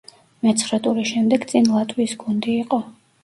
მეცხრე ტურის შემდეგ წინ ლატვიის გუნდი იყო.